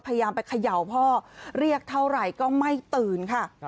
พยายามไปเขย่าพ่อเรียกเท่าไหร่ก็ไม่ตื่นค่ะ